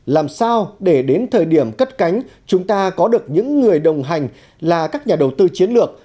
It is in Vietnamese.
làm sao để đến thời điểm cất cánh chúng ta có được những người đồng hành là các nhà đầu tư chiến lược